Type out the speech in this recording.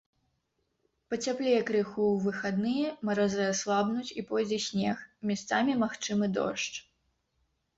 Пацяплее крыху ў выхадныя, маразы аслабнуць і пойдзе снег, месцамі магчымы дождж.